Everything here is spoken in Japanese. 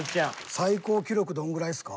最高記録どんぐらいですか？